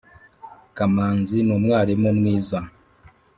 kamanzi n’umwarimu mwiza.